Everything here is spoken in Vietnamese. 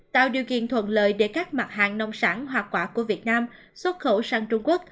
tạo điều kiện thuận lợi để các mặt hàng nông sản hoa quả của việt nam xuất khẩu sang trung quốc